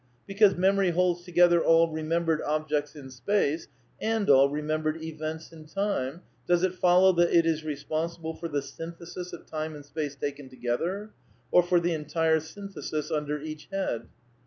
Because memory holds to gether all remembered objects in space and all remembered events in time, does it follow that it is responsible for the synthesis of time and space taken together? Or for the entire synthesis under each head